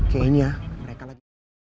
kayaknya mereka lagi